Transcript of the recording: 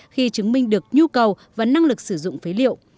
khi chứng minh được nhu cầu và năng lực sử dụng phế liệu